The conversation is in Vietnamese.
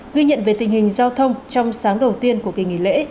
ghi nhận về tình hình giao thông trong sáng đầu tiên của kỳ nghỉ lễ